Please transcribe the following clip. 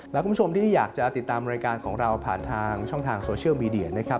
และคุณผู้ชมที่อยากจะติดตามรายการของเราผ่านทางช่องทางโซเชียลมีเดียนะครับ